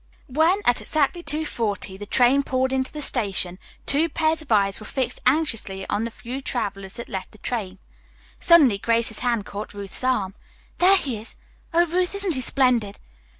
When, at exactly 2:40, the train pulled into the station, two pairs of eyes were fixed anxiously on the few travelers that left the train. Suddenly Grace's hand caught Ruth's arm, "There he is! Oh, Ruth, isn't he splendid?